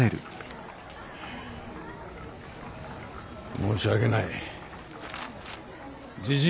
申し訳ない。